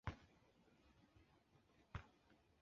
长触合跳蛛为跳蛛科合跳蛛属的动物。